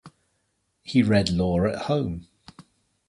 He read law at home.